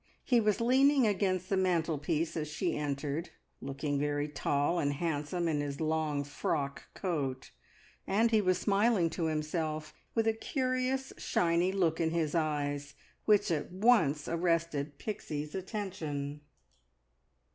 He was leaning against the mantelpiece as she entered, looking very tall and handsome in his long frock coat, and he was smiling to himself with a curious shiny look in his eyes, which at once arrested Pixie's attention.